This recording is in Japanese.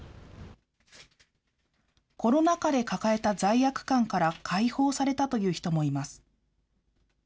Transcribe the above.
コロナ禍で抱えた罪悪感から解放されたという人もいます。